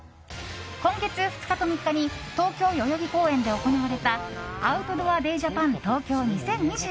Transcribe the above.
今月２日と３日に東京・代々木公園で行われたアウトドアデイジャパン東京２０２２。